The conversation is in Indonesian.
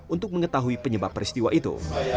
untuk mengetahui penyebab peristiwa itu